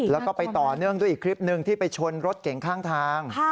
แล้วก็ไปต่อเนื่องด้วยอีกคลิปหนึ่งที่ไปชนรถเก่งข้างทาง